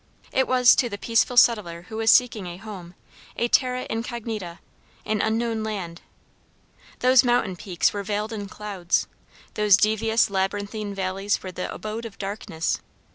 It was to the peaceful settler who was seeking a home, a terra incognita, an unknown land. Those mountain peaks were veiled in clouds, those devious labyrinthine valleys were the abode of darkness.